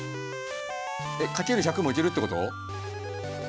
えっ掛ける１００もいけるってこと？